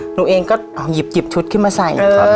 หนูเองก็หยิบชุดขึ้นมาใส่